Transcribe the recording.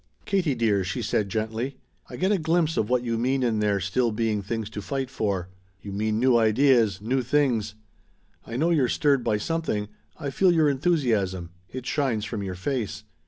"Katie dear," she said gently, "I get a glimpse of what you mean in there still being things to fight for. You mean new ideas; new things. I know you're stirred by something. I feel your enthusiasm; it shines from your face.